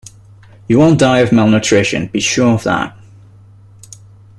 You won't die of malnutrition, be sure of that.